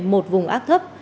một vùng áp thấp